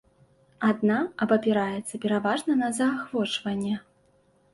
Адна абапіраецца пераважна на заахвочванне.